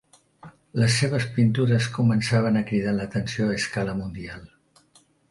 Les seves pintures començaven a cridar l'atenció a escala mundial.